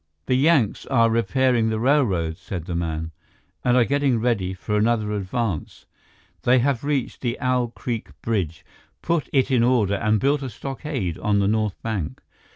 "The Yanks are repairing the railroads," said the man, "and are getting ready for another advance. They have reached the Owl Creek bridge, put it in order and built a stockade on the north bank.